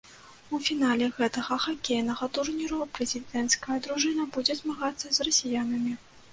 У фінале гэтага хакейнага турніру прэзідэнцкая дружына будзе змагацца з расіянамі.